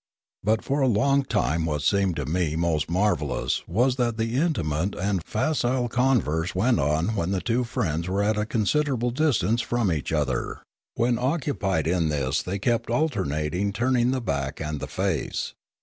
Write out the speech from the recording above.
But for a long time what seemed to me most marvellous was that intimate and facile converse went on when the two friends were at considerable distances from each other; when occupied in this they kept alternately turning the back and the face.